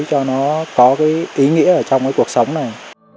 cho nó có cái ý nghĩa ở trong cái cuộc sống này